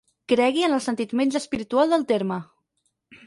Cregui en el sentit menys espiritual del terme.